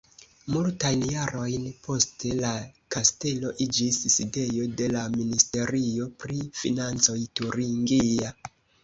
Multajn jarojn poste la kastelo iĝis sidejo de la Ministerio pri financoj turingia.